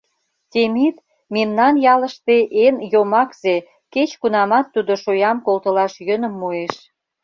Темит — мемнан ялыште эн йомакзе, кеч-кунамат тудо шоям колтылаш йӧным муэш.